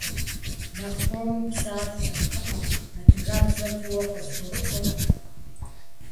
Нэхъ хуэму псалъэ, кхъыӏэ, адыгэбзэр фӏыуэ къызгурыӏуэкъым.